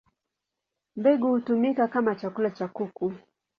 Mbegu hutumika kama chakula cha kuku.